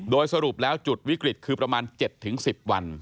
โดยสรุปแล้วจุดวิกฤตคือประมาณ๗๑๐วัน